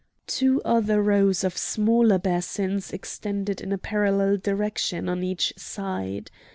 Two other rows of smaller basins extended in a parallel direction on each side.